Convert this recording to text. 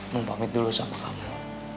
mempamit dulu sama kamu